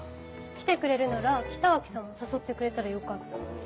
来てくれるなら北脇さんも誘ってくれたらよかったのに。